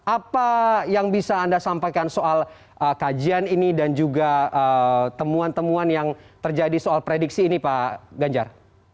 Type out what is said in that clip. apa yang bisa anda sampaikan soal kajian ini dan juga temuan temuan yang terjadi soal prediksi ini pak ganjar